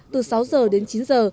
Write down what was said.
từ sáu giờ đến chín giờ